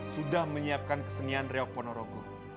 sudah menyiapkan kesenian reok pono rogo